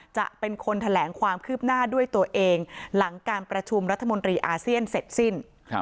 จะเป็นคนแถลงความคืบหน้าด้วยตัวเองหลังการประชุมรัฐมนตรีอาเซียนเสร็จสิ้น